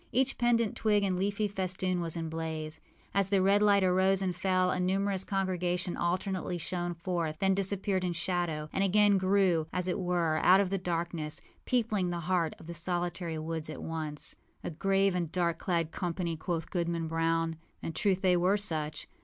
Each pendent twig and leafy festoon was in a blaze. As the red light arose and fell, a numerous congregation alternately shone forth, then disappeared in shadow, and again grew, as it were, out of the darkness, peopling the heart of the solitary woods at once. âA grave and dark clad company,â quoth Goodman Brown. In truth they were such.